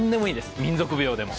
民族舞踊でも。